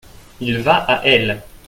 Il va à elle.